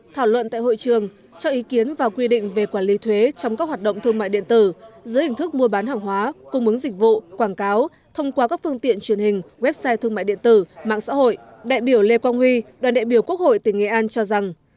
thảo luận tại hội trường cho ý kiến và quy định về quản lý thuế trong các hoạt động thương mại điện tử dưới hình thức mua bán hàng hóa cung ứng dịch vụ quảng cáo thông qua các phương tiện truyền hình website thương mại điện tử mạng xã hội đại biểu lê quang huy đoàn đại biểu quốc hội tỉnh nghệ an cho rằng